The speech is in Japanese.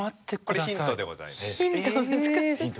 これヒントでございます。